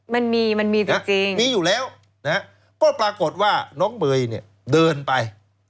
มันมีมันมีจริงมีอยู่แล้วก็ปรากฏว่าน้องเบยเนี่ยเดินไป